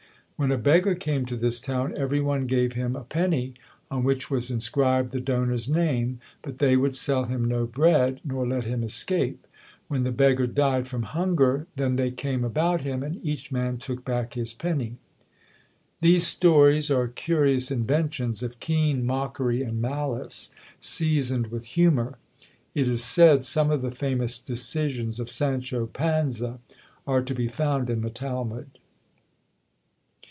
When a beggar came to this town, every one gave him a penny, on which was inscribed the donor's name; but they would sell him no bread, nor let him escape. When the beggar died from hunger, then they came about him, and each man took back his penny. These stories are curious inventions of keen mockery and malice, seasoned with humour. It is said some of the famous decisions of Sancho Panza are to be found in the Talmud.